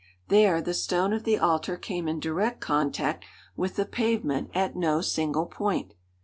There the stone of the altar came in direct contact with the pavement at no single point!